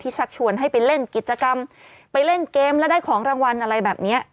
ชักชวนให้ไปเล่นกิจกรรมไปเล่นเกมแล้วได้ของรางวัลอะไรแบบนี้